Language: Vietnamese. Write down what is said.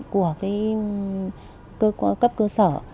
của cái cấp cơ sở